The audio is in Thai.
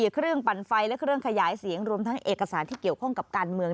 เครื่องปั่นไฟและเครื่องขยายเสียงรวมทั้งเอกสารที่เกี่ยวข้องกับการเมือง